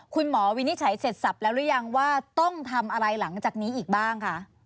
วินิจฉัยเสร็จสับแล้วหรือยังว่าต้องทำอะไรหลังจากนี้อีกบ้างคะ